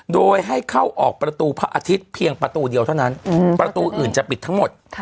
โดยให้เข้าออกประตูพระอาทิตย์เพียงประตูเดียวเท่านั้นประตูอื่นจะปิดทั้งหมด